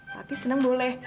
tapi senang boleh